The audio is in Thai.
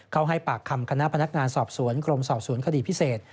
ให้ปากคำคณะพนักงานสอบสวนกรมสอบสวนคดีพิเศษ